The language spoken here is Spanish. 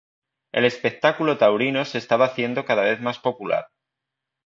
El espectáculo taurino se estaba haciendo cada vez más popular.